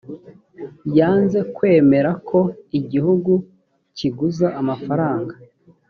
yanze kwemera ko igihugu kiguza amafaranga